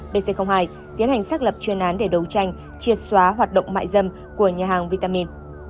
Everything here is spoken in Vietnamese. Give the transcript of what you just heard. pc hai tiến hành xác lập chuyên án để đấu tranh triệt xóa hoạt động mại dâm của nhà hàng vitamin